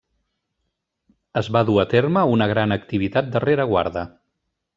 Es va dur a terme una gran activitat de rereguarda.